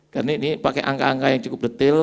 karena ini pakai angka angka yang cukup detail